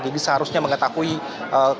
jadi seharusnya mengetahui kondisi kesehatan